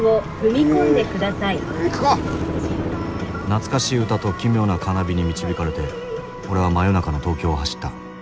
懐かしい歌と奇妙なカーナビに導かれて俺は真夜中の東京を走った。